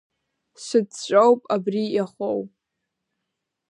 Сыҵәҵәоуп абри иахоу…